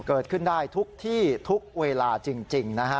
เกิดขึ้นได้ทุกที่ทุกเวลาจริงนะฮะ